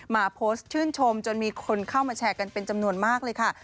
มาโพสต์ชื่นชมจนมีคนเข้ามาแชร์กันเป็นจำนวนมากเลยค่ะ